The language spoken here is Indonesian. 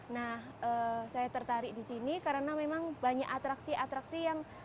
nah saya tertarik di sini karena memang banyak atraksi atraksi yang